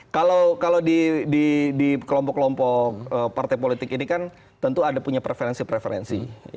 kalau di kelompok kelompok partai politik ini kan tentu ada punya preferensi preferensi